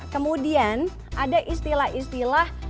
kemudian ada istilah istilah